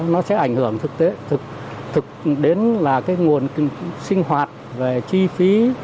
nó sẽ ảnh hưởng thực tế thực đến là cái nguồn sinh hoạt về chi phí